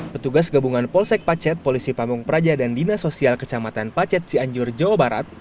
petugas gabungan polsek pacet polisi pamung praja dan dinas sosial kecamatan pacet cianjur jawa barat